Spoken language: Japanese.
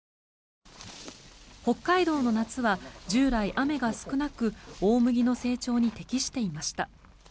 北海道の夏は従来、雨が少なく大麦の成長に適していました。